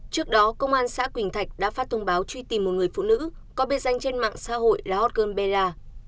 trước đó công an xã quỳnh thạch đã phát thông báo truy tìm một người phụ nữ có biệt danh trên mạng xã hội là hot girl bella